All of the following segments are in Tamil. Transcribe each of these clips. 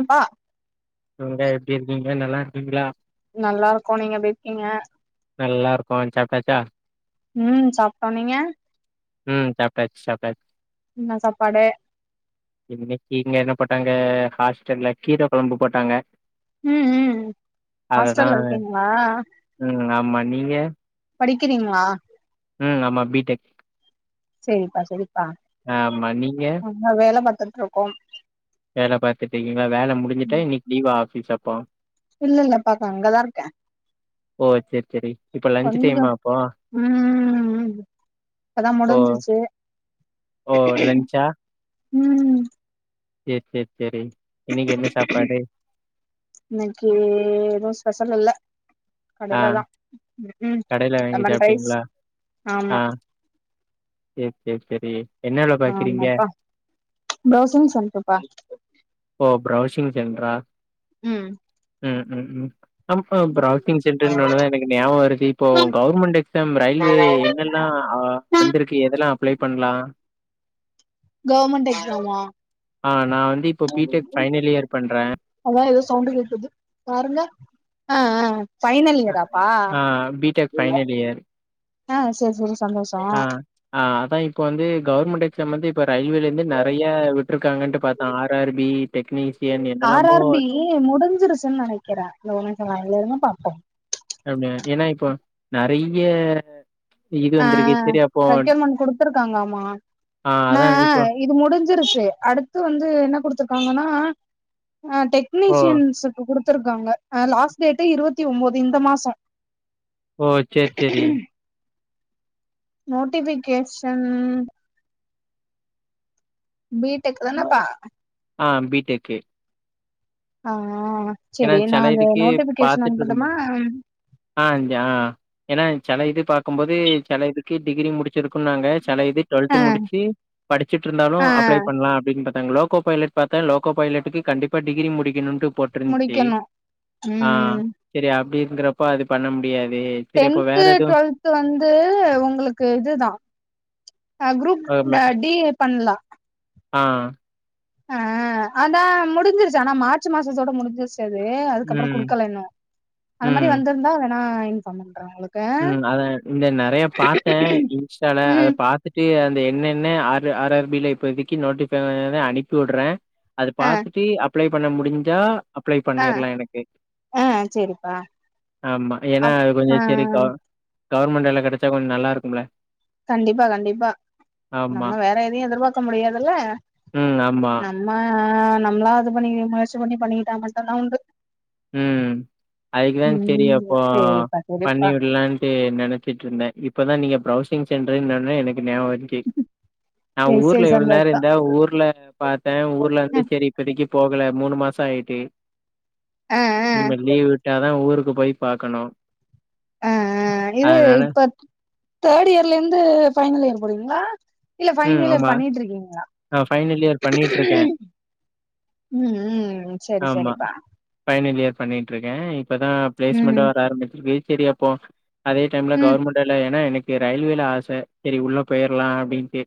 அப்பா நீங்க எப்டி இருக்கீங்க நல்லா இருக்கீங்களா நல்லா இருக்கோ நீங்க எப்டி இருக்கீங்க நல்லா இருக்கோ சாப்ட்டாச்சா ம் சாப்ட்டோ நீங்க ம் சாப்டாச்சு சாப்டாச்சு என்ன சாப்பாடு இன்னக்கி இங்க என்ன போட்டாங்க ஹாஸ்டல்ல கீரை கொழம்பு போட்டாங்க ம் ம் அததா ஹாஸ்டல்ல இருக்கீங்களா ம் ஆமா நீங்க படிக்கிறீங்களா ம் ஆமா பி டெக் செரிப்பா ஆமா நீங்க நா வேல பாத்துட்ருக்கோம் வேலை பாத்துட்டு இருக்கீங்களா வேலை முடிசுட்டா ம் இன்னக்கி லீவா ஆபிஸ் அப்போ இல்ல இல்ல பாக்க அங்கதா இருக்கே ஓ சேரி சேரி. கொஞ்சோ இப்ப லன்ச் டைமா அப்போ? ம் ம் இப்பதா ஓ முடிஞ்சிச்சி ஓ லன்ச்சா ம் சேரி சேரி சேரி இன்னக்கி என்ன சாப்பாடு இன்னக்கி எதுவு ஸ்பெஷல் இல்ல ஆ கடேலதா ம் ம் கடைல வாங்கி லெமன் ரைஸ் சாப்ட்டீங்களா? ஆமா சேர் சேர் செரி ஆமாப்பா பிரவுசிங் சென்டர்ப்பா ஓ பிரவுசிங் சென்ட்ரா ம் ம் ம் ம் ஆமா பிரவுசிங் சென்டர்ன்ன ஒன்னதா எனக்கு ஞாபகோ வருது இப்போ கவுர்மெண்ட் எக்ஸாம் ரயில்வே என்னெல்லா வந்துருக்கு எதெல்லா அப்ளே பண்ணலா கவர்மெண்ட் எக்ஸாமா ஆ நா வந்து இப்ப பி டெக் ஃபைனல் இயர் பண்றே அதா ஏதோ சவுண்ட் கேக்குது பாருங்க ஆ ஆ ஃபைனல் இயராப்பா ஆ பிடெக் ஃபைனல் இயர். ஆ செரி செரி சந்தோஷோ ஆ, ஆ அதா இப்ப வந்து கவர்மெண்ட் எக்ஸாம் வந்து இப்ப ரயில்வேல இருந்து நெறையா விட்டுருக்காங்கட்டு பாத்தோ ஆர் ஆர் பி டெக்னீசியன் என்னெல்லாமோ ஏ முடிஞ்சிருச்சின்னு நெனைக்கிறே இந்த ஒரு நிம்சோ லயன்லயே இருங்க பாப்போ அப்டியா ஏன்னா இப்போ நெறைய இது ஆ வந்திருக்கு. சரி அப்போ ரெக்யூர்மென்ட் குடுத்துருக்காங்க ஆமா ஆ நா அதான் இப்போ இது முடிஞ்சிருச்சி அடுத்து வந்து என்ன குடுத்துருக்காங்கன்னா ஆ ஓ! டெக்னீஷியன்ஸ க்கு குடுத்துருக்காங்க ஆ லாஸ்ட் டேட் இருவத்தி ஒம்போது இந்த மாசோ ஓ சேரி சேரி நோட்டிஃபிகேஷன் பீ டெக் தானப்பா ஆ பி டெக் ஆ ஏன்னா சேரி நா செல அத இதுக்கு நோட்டிஃபிகேஷன் பாத்துட்டு இருக்கும்போ அனுப்பட்டுமா ஆ ச ஆ ஏன்னா செல இது பாக்கும்போது செல இதுக்கு டிகிரி முடிச் சிருக்கணுனாங்க செல இது டுவல்த் ஆ முடிச்சு படிச்சிட்டு இருந்தாலு ஆ அப்ளே பண்ணலா அப்டின் அங்க லோகோ பைலட் பாத்தே லோகோ பைலட்டுக்கு கண்டிப்பா டிகிரி முடிகணுன்ட்டு போட்டுருந் ச்சி முடிக்கணு ஆ ம் செரி அப்டி இருக்றப்போ அது பண்ண முடியாது செரி அப்ப டென்த் வேற எதுவு டுவெல்த் வந்து ஒங்களுக்கு இதுதா குரூப் ஆ மெ- டி ஏ பண்ணலாம் ஆ ஆ அதான் முடிஞ்சிருச்சு ஆனா மார்ச் மாசத்தோட முடிஞ்சிருச்சு அதுக்கப்புறம் ம் கொடுக்கல இன்னும் அந்த ம் மாதிரி வந்திருந்தா வேணா இன்ஃபார்ம் பண்றேன் உங்களுக்கு ம் அத இந்த நிறைய பாத்தேன் இன்ஸ்டால அத ம் பா பாத்திட்டு அது என்னண்ணு ஆ ஆர் ஆர்பில இப்பதிக்கு நோட்டிபி அனுப்பி விடுறேன் அது ஆ பாத்துட்டு அப்ளை பண்ண முடிஞ்சா அப்ளை ஆ பண்ணிடலாம் எனக்கு ஆ சேரிப்பா ஆமா ஏன்னா அப் ஆ கொஞ்சம் சரி கவ கவர்மெண்ட் வேல கிடச்சா கொஞ்சம் நல்லாருக்கும் இல்ல கண்டிப்பா கண்டிப்பா ஆமா. நம்ம வேற எதையும் எதிர்பாக்க முடியாதுல்ல ம். ஆமா. நம்ம நம்மளாம் அது பண்ணி முயற்சி பண்ணி பண்ணிக்கிட்டா மட்டும் தான் உண்டு ம் அதுக்குதா சரி ம் அப்போ சேரிப்பா பண்ணி சேரிப்பா விடலான் நினைச்சிட்டு இருந்தேன் இப்பதா நீங்க பிரவுசிங் சென்டருனொன்ன எனக்கு ஞாபகம் வந்திச்சு நான் சேரி சேரி ஊர்ல எவ்ளோவு நேரம் சந்தோஷோ இருந்தா ஊர்ல பாத்தேன் ஊர்ல வந்து சரி இப்பதைக்கு போகல மூணு மாசம் ஆயிட்டு ஆ ஆ இனிம ஆ லீவ் விட்டாதான் ஊருக்கு போய் பாக்கணும் ஆஆ இது இப்ப தேர்ட் இயர்ல இருந்து ஃபைனல் இயர் போறீங்களா இல்ல ம் ஃபைனல் இயர் ஆமா பண்ணிட்டுருக்கீங்களா ஆ ஃபைனல் இயர் பண்ணிட்ருக்கே ம்‌ம் சரி ஆமா சரிப்பா ஃபைனல் இயர் பண்ணிட்டுருக்கே இப்பதான் பிளேஸ்மெண்ட் ம் வர ஆரம்பிச்சிருக்கு சரி அப்போ அதே டைம்ல ம் கவர்மெண்ட்ல ஏன்னா எனக்கு ரயில்வேல ஆசை சரி உள்ள போயிடலாம் அப்படின்னுட்டு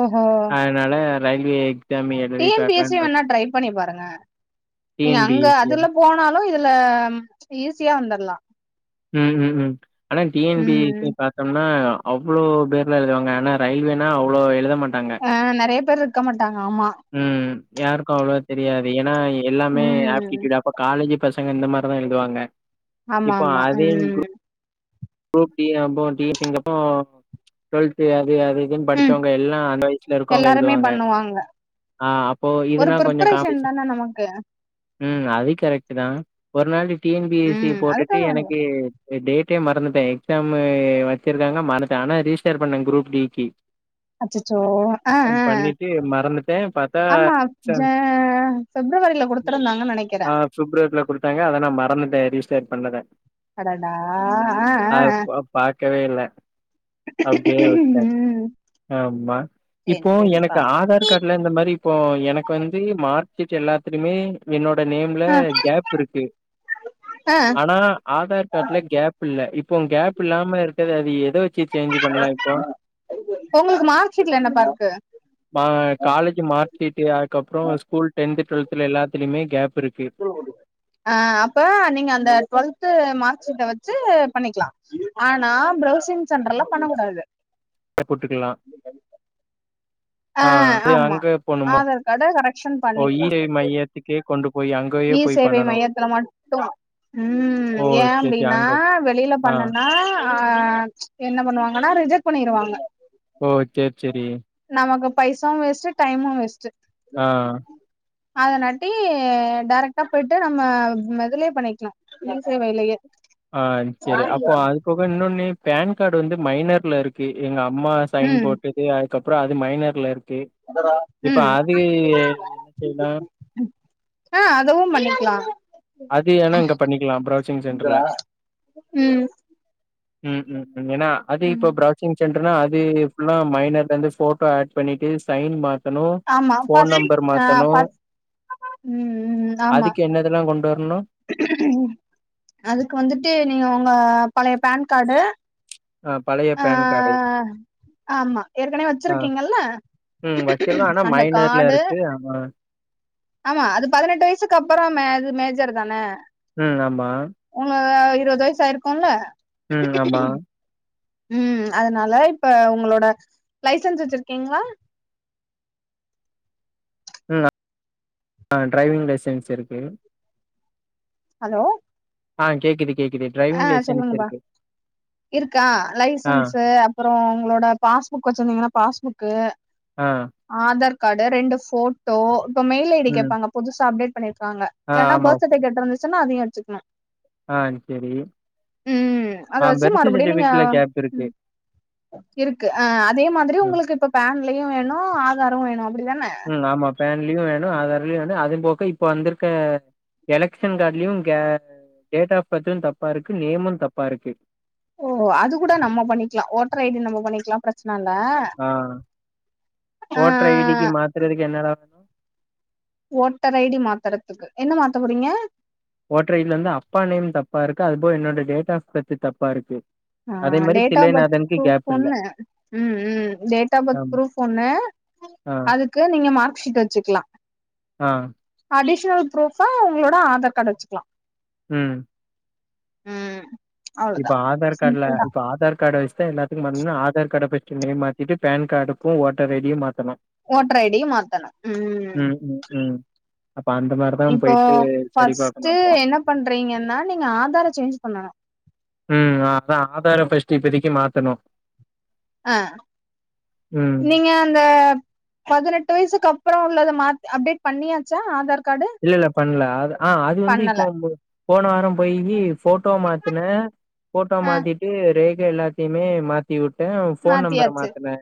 ஓஹோ அதனால ரயில்வே எக்ஸாம் டி எழுதி என்பி எஸ் சி பாக்கலான்னு பாத் வேணா ட்ரை பண்ணி பாருங்க டி நீங்க என் பி வேணா எஸ் சியா அதுல போனாலும் இதுல ஈஸியா வந்துடலாம் ம்ம்ம் ஆனா டீ ன் பி ம் சிக்கா போட்டோம்னா அவ்ளோ பேர்ல எழுதுவாங்க ஆனா ரயில்வேனா அவ்ளோ எழுத மாட்டாங்க ஆ நிறைய பேர் இருக்க மாட்டாங்க ஆமா ம் யாருக்கும் அவ்வளவோ தெரியாது ஏன்னா எல்லாமே ம் ஆப்டூடா பாக்க காலேஜி பசங்க இந்த மாதிரிதான் எழுதுவாங்க ஆமா இப்போ ஆமா அதே கு ம் குரூப் டியூஷன் அப்போ டுவெல்து அது அது ம் படிச்சவங்க எல்லாம் அந்த வயசுல இருக்கவங்க எல்லாருமே எழுதுவாங்க பண்ணுவாங்க ஆ அப்போ ஒரு இதுனா கொஞ்சம் ப்ரிப்பரேஷன் காம்படீசன் தான நமக்கு ம் அது கரெக்ட் தான் ஒரு நாள் டி என் பி எசி ம் போட்டுட்டு அதுக்காக வேண எனக்கு டேட்டே மறந்துட்டு எக்ஸாம் வச்சிருக்காங்க மறந்துட்டேன் ஆனா ரிஜிஸ்டர் பண்ணேன் குரூப் டி க்கு அச்சச்சோ ஆ ஆ பேர் பாத்தா ஆமா ஜ பிப்ரவரியில கொடுத்திருந்தாங்கன்னு ஆ நினைக்கிறேன் பிப்ரவரில கொடுத்தாங்க அத நான் மறந்துட்டேன் ரெஜிஸ்டர் பண்ணத அடடா ஆ பாக்கவே இல்ல அப்படியே விட்டேன் ம் ஆமா சேரி இப்போ சேரிப்பா எனக்கு ஆதார் ஆதார் கார்டுல இந்த மாதிரி இப்போ எனக்கு வந்து மார்க்சீட் எல்லா என்னோட நேம்ல ஆ கேப் இருக்கு ஆ ஆனா ஆதார் கார்டுல கேப் இல்ல இப்போ கேப் இல்லாம இருக்கறது அது எத வெ ச்சி சேஞ்ச்சி பண் உங்களுக்கு மார்க்சீட்ல என்னபா இருக்கு அ காலேஜ் மார்க் ஷீட்டு அதுக்கப்பறோ ஸ்கூல் டென்து டுவெல்த்துல எல்லாத்துலயுமே கேப் இருக்கு. ஆ அப்ப நீங்க அந்த டுவெல்த் மார்க்ஷீட்ட வெச்சு பண்ணிக்லா ஆனா ப்ரௌசிங் சென்டர்ல பண்ண கூடாது ல போட்டுக்கலா ஆ ஆமா போணுமா? ஆதார் கார்ட்ட கரெக்க்ஷன் ஓ பண்ணிக்லா இ-சேவை மையத்துக்கே கொண்டு போய் அங்கயே ஈ போய் சேவை பண்ணணும். மையத்துல மட்டு ம் ஓ! ஏ சரி, சரி அப்டின்னா அங்க வெளில ஆ. பண்ணனா ஆ என்ன பண்ணுவாங்கனா ரிஜெக்ட் பண்ணிருவாங்க ஓகே ச்செரி நமக்கு பைசாவு வேஸ்ட்டு டைமு வேஸ்ட்டு ஆ அதனாட்டி டேரக்ட்டா போயிட்டு நம்ம இதிலயே பண்ணிக்லா இ சேவையிலயே ஆ சரி அப்போ அது போக இன்னொன்னு பேன் கார்டு வந்து மைனர்ல இருக்கு எங்க அம்மா சைன் ம் போட்டது அதுக்கப்றோ அது மைனர்ல இருக்கு இப்ப ம் அது செய்லா ஆ அதவு பண்ணிக்லா அது என்னங்கா பண்ணிக்லா ப்ரௌசிங் சென்டர்ல ம் ம் ம் ம் ஏனா அது இப்ப ம் ஃப்ராச ப்ரௌசிங் சென்டர்னா அது ஃபுல்லா மைனர்லந்து போட்டோ ஆட் பண்ணிட்டு சைன் வா ங்கனு ஆமா போன் ஃபஸ்ட் நம்பர் ஆ மாத்தணு ஃபஸ்ட் ம் ம் ஆமா அதுக்கு என்னதல்லா கொண் ன்னு அதுக்கு வந்துட்டு நீங்க உங்க பழைய பேன் கார்டு ஆ பழைய ஆ பேன் கார்டு ஆமா ஏற்கனவே ஆ வச்சிருக்கீங்கல்ல ம் வச்சிருக்கோ ஆனா அந்த மைனர்ல கார்டு இருக்கு ஆமா ஆமா அது பதினெட்டு வயசுக்கு அப்புற மே அது மேஜர் தான அ ஆமா உங்க இருவது வயசு ஆயிருக்குல்ல ம் ஆமா. ம் அதனால இப்ப உங்களோட லைசன்ஸ் வெச்சிருக்கீங்ளா ம் ஆ ஆ டிரைவிங் லைசென்ஸ் இருக்கு ஹலோ ஆ கேக்குது கேக்குது ஆ டிரைவிங் லைசன்ஸ் சொல்லுங்கப்பா இருக்கு. இருக்கா ஆ லைசன்ஸு அப்புற உங்களோட பாஸ்புக் வச்சிருந்தீங்கனா பாஸ்புக்கு ஆ ஆதார் கார்ட் ரெண்டு போட்டோ இப்ப மெயில் ஐ டி ம் கேப்பாங்க புதுசா அப்டேட் பண்ணிருக்காங்க ஆ இல்லனா ஆமா பர்த் சர்டி பிகேட் இருந்துச்சுனா அதையு வெச்சுக்கனு ஆ செரி ம் அத வெச்சு மறுபடியு நீங்க கேப் இருக்கு. ம் இருக்கு ஆ அதே மாதிரி ம் உங்களுக்கு இப்ப பேன்லயு வேணு ஆதாரு வேணு அப்பிடிதான ஆமா பேன்லயு வேணு ஆதார்லயு வேணு அது போக இப்ப வந்திருக்க எலக்க்ஷன் கார்ட்லயு கே டேட் ஆஃப் பர்த்து தப்பா இருக்கு நேமு தப்பா இருக்கு ஓ அது கூட நம்ம பண்ணிக்லா ஓட்டர் ஐடி நம்ம பண்ணிக்லா ப்ரச்சன இல்ல ஆ ஆ ஓட்றைடிக்கு மாத்திரதுக்கு என்னலா ஓட்டர் ஐடி மாத்துறதுக்கு என்ன மாத்த போறீங்க ஓட்டுற ஐடில வந்து அப்பா நேம் தப்பா இருக்கு அதுபோல என்னோட டேட் ஆஃப் பெர்து தப்பா இருக்கு ஆ அதே மாரி டேட் ஆஃப் பர்த் தில்லைநாதனுக்கு ப்ரூப் கேப் இல்ல. ஒண்ணு ம் ம் டேட் ஆஃப் பர்த் ஆம் ப்ரூப் ஒண்ணு ஆ அதுக்கு நீங்க மார்க் ஷீட் வச்சுக்கலா ஆ அடிஷனல் ப்ரூஃபா உங்களோட ஆதார் காட் வச்சுக்கலா ம் ம் இப்ப அவ்ளோதா ஆதார் காடுல சிம்பிள் தா இப்ப ஆதார் காடு வச்த்தா எல்லா [unintelligible] ஆதார் கார்ட ஃபஸ்ட்டு [unintelligible] மாத்திட்டு பேன் கார்டுக்கு ஓட்டர் ஐடியு மாத்தணு ஓட்ர ஐ டியு மாத்தனு ம் ம், ம். அப்ப அந்த மாரிதான் இப்போ போயிட்டு சரி பாக்கணும் பஃஸ்ட்டு அப்போ. என்ன பண்றீங்கன்னா நீங்க ஆதார சேஞ்ச் பண்ணணு ம் அதா ஆதார ஃபஸ்டு இப்பதிக்கு மாத்தணு அ ம். நீங்க அந்த பதினெட்டு வயசுக்கு அப்புறோ உள்ளத மாத்தி அப்டேட் பண்ணியாச்சா ஆதார் காடு இல்ல இல்ல பண்ல அது ஆ அது வந்து இப்போ போன வாரோ பொய்யி ஃபோட்டோ மாத்தின ஃபோட்டோ ஆ மாத்திட்டு ரேகை எல்லாத்திமே மாத் தி உட்டு ஃபோன் நம்பர மாத்தியாச்சு மாத்துன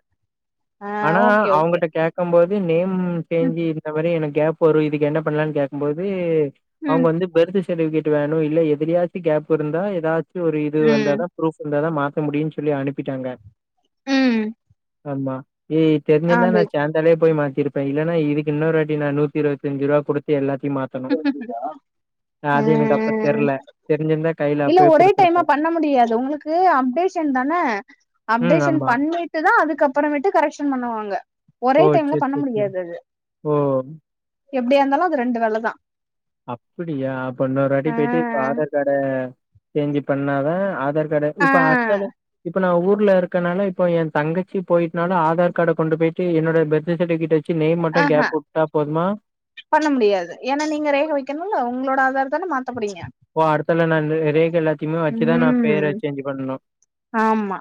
ஆ ஆனா ஓகே ஓகே அவங்கட்ட கக்கும் போது நேம் ம் ம் சேஞ்சு இந்த மாரி எனக்கு கேப் வரு இதுக்கு என்ன பண்லான் கேக்கும்போது அவங்க ம் வந்து பெர்து சர்ட்டிபிகேட் வணு இல்ல எதுலியாச்சு கேப் இருந்தா ஏதாச்சு ஒரு இது ம் வந்தாதா ப்ரூப் இருந்தாதா மாத்த முடியுன் சொல்லி அனுப்பிட்டாங்க ம் ஆமா ஏ தெர்சிருந்தா நா அது சம் ஒடனே போய் மாத்திருப்ப இல்லன்னா இதுக்கு இன்னொருவாட்டி நா நூத்திஇருவத்தஞ்சு ரூவா குடுத் து எல்லாத்தையு மாத்தணு புரிதா அது எனக்கு அப்ப தெர்ல தெரிஞ்சிருந்தா கைல அப்பயே குடுத்துருப் மே பண்ண முடியாது உங்களுக் இது அப்டேஷன் தான ம். அப்டேஷன் ஆமா. பண்ணிட்டு தா அதுக்கப்புறமேட்டு கரெக்ஷன் பண்ணுவாங்க ஒரே ஓ! டைம்ல சரி, பண்ண சரி, சரி. முடியாது அது ஓ எப்டியாந்தாலு அது ரெண்டு வேலதா அப்படியா அப்ப இன்னொரு வாட்டி ஆ போய்ட்டு இப்ப ஆதார் காட சேஞ்சு பண்ணாதா ஆதார் காட ஆ இப்ப அடுத்தால இப்ப நா ஊர்ல இருக் கனால இப்ப எ தங்கச்சி போய்னால ஆதார் கார்ட கொண்டு போய்ட்டு என்னோட பெர்த்து சர்டிபிகேட்ட கிமே மட்டு ஆஹா கேப் உட்டா போதுமா பண்ண முடியாது ஏன்னா நீங்க ரேக வைக்கணுல்ல உங்களோட ஆதார் தான மாத்த போறீங்க ஓ அடுத்தால நானா ரேக எல்லாத்தைமே வச்சிதா நா ம் பேர சேஞ்ச்சு பண்ணனு ஆமா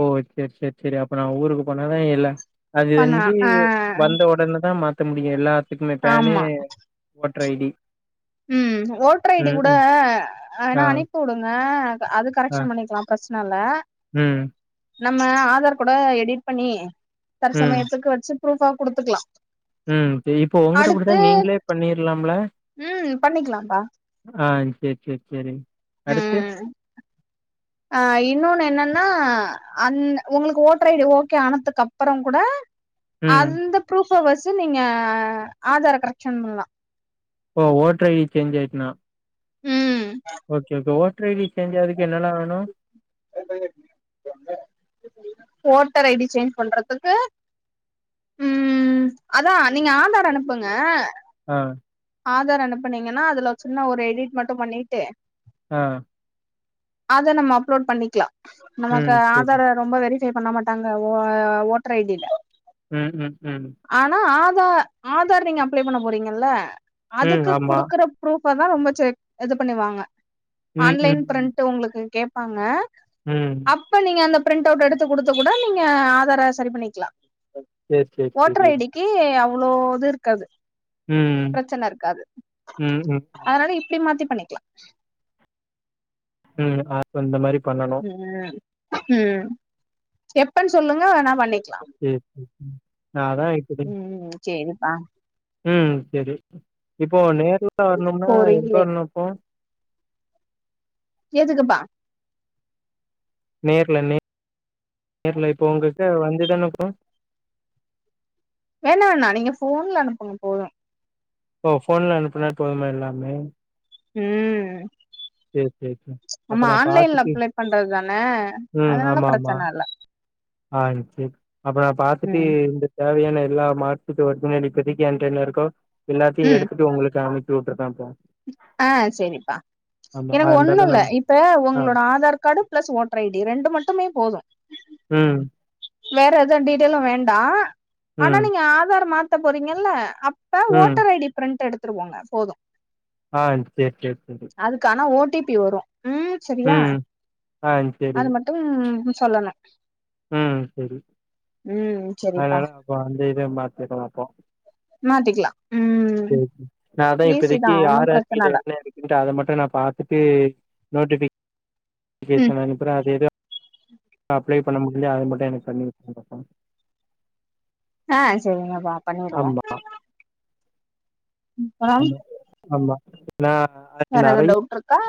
ஓ சேரி சேரி சேரி அப்ப நா ஊருக்கு போனாதா எல்ல அது பண்ணா வந்து ஆ வந்த உடன தா மாத்த முடியு எல்லாத்துக்குமே பனு ஆமா ஓட்ரைடி ம் ஓட்ர ஐடி கூட ஆ, அனா அனுப்பி உடுங்க அது கரெக்ஷன் பண்ணிக்லாம் பர்ஸ்னலா உம் நம்ம ஆதார் கூட எடிட் பண்ணி ம், தர்சமயத்துக்கு வெச்சு ப்ரூஃபா குடுத்துக்குலா ம் இப்ப இப்போ உங்கிட்ட கூடதா நீங்களே பண்ணிருலாம்ல ம் பண்ணிக்கலாப்பா ஆ சேரி சேரி சேரிங் அடுத்து அ அ இன்னொன்னு என்னன்னா அன் உங்களுக்கு ஓட்டர் ஐ டி ஓகே ஆனதுக்கு அப்பறம் கூட ம் அந்த ப்ரூஃப் வெச்சு நீங்க ஆதார் கரெக்க்ஷன் பண்ணலா ஓ ஒட்டர் ஐ டி சேஞ்ச் ஆயிருக்குனா ஓகே இப்ப ஓட்டர் ஐ டி சேஞ்ச் ஆகறதுக்கு என்னலா வேணு ஓட்டர் ஐ டி சேஞ்ச் பண்றதுக்கு உம் அதா நீங்க ஆதார் அனுப்புங்க ஆஹ் ஆதார் அனுப்புனீங்கன்னா அதுல சின்ன ஒரு எடிட் மட்டு பண்ணிட்டு ஆஹ் அத நம்ம அப்லோட் பண்ணிக்கலா நமக்கு ம் சரி ஆதார் ரொம்ப வெரிஃபை பண்ண மாட்டாங்க ஓட்டர் ஐடியில உம் உம் உம் ஆனா ஆதார் ஆதார் நீங்க அப்ளை பண்ண போறீங்கல்ல ம் அதுக்கு ஆமா குடுக்கற ப்ரூஃப் தா ரொம்ப இது பண்ணுவாங்க ம் ஆன்லைன் ம் பிரிண்ட் உங்களுக்கு கேப்பாங்க உம் அப்ப நீங்க அந்த பிரிண்ட் அவுட் எடுத்து குடுத்து கூட நீங்க ஆதார சரி பண்ணிக்கலா சேரி சேரி ஓட்ரு சேரி ஐடிக்கு அவ்ளோ இது இருக்காது ம் பிரச்சன இருக்காது ம் ம் ம் அதனால இப்டி மாத்தி பண்ணிக்லா ம் இந்த மாரி இந்த மாரி பண்ணனு ம் ம் எப்பன்னு சொல்லுங்க வேணா பண்ணிக்லா சரி சரி நாலா எப்புடி ம் சேரிப்பா ம் சரி இப்போ நேர்ல வரணும்னா எங்க போறீங்களே வரணு இப்போ கேக்குதுப்பா நேரல நே நேரல இப்போ உங்களுக்கு வந்துதானே இப்போ வேணா வேண்ணா நீங்க ஃபோன்ல அனுப்புங்க போது ஓ ஃபோன்ல அனுப்புனா போதுமா எல்லாமே உம் சேரி சேரி சேரி ஆமா அப்ப நா ஆன்லைன்ல பாத்துட்டு அப்ளை பண்றது தானே அதனால பிரச்சன இல்ல ஆஹ் சரி அப்றோ நா பாத்துட்டு ம் இந்த தேவையான எல்லா மார்க்ஷீட் ஒர்ஜினலு இப்போதிக்கு உன்ட இருக்கோ எல்லாத்தையு எடுத்துட்டு உங்களுக்கு அமி ட்ரு தான்ப்போ ஆஹ் சரிப்பா எனக்கு ஒண்ணு அதனால இல்ல நம் இப்ப ஆ. உங்களோட Aadhaar card plus voter ID ரெண்டு மட்டுமே போது உம் வேற எதுவு டீட்டெய்லு வேண்டா ஆனா ம், நீங்க ஆதார் மாத்த போறீங்கல்ல அஹ் ம். ஓட்டர் ஐடி பிரிண்ட் எடுத்துருவோங்க போது ஆஹ் சேரி சேரி சரி அதுக்கு ஆனா ஓடிபி வரு ம் சரியா ம். ஆ சரி. அது மட்டு டும் சொல்லணு ம் சரி உம் சரிப்பா இப்ப வந்து இத மாத்திரலா அப்போ மாத்திக்கலா உம் சரி நா அதா இப்போதைக்கு ஆறு ஆர்மில பிரச்சன இல்ல என்ன இருக்கு அத மட்டு நா பாத்தாட்டு நோட்டிஃபிகேஷன் அனுப்புறே உம் [unintelligible] அப்ளை பண்ண முடியுது அது மட்டு அனுப்புங்க எனக்கு பண்ணி ஆ சொல்லுங்கப்பா பண்ணிடுவோ ஆ அப்புறம் ஆமா ஆமா நா வேற எது டவ்ட்ருக்